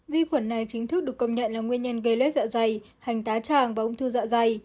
vi khuẩn này chính thức được công nhận là nguyên nhân gây lết dạ dày hành tá tràng và ung thư dạ dày